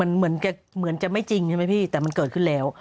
เหมือนแกเหมือนจะไม่จริงใช่ไหมพี่แต่มันเกิดขึ้นแล้ว